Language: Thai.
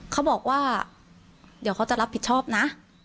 เขาบอกว่าเดี๋ยวเขาจะรับผิดชอบนะ